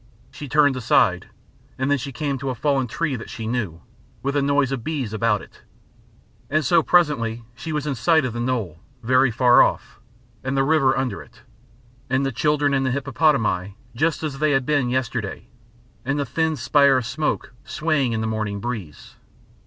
She turned aside, and then she came to a fallen tree that she knew, with a noise of bees about it. And so presently she was in sight of the knoll, very far off, and the river under it, and the children and the hippopotami just as they had been yesterday, and the thin spire of smoke swaying in the morning breeze.